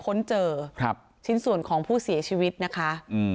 ค้นเจอครับชิ้นส่วนของผู้เสียชีวิตนะคะ